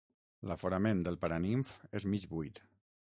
L'aforament del paranimf és mig buit.